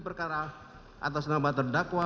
perkara atas nama terdakwa